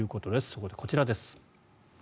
そこでこちらです。